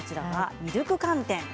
ミルク寒天。